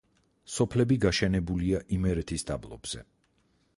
სოფლები გაშენებულია იმერეთის დაბლობზე.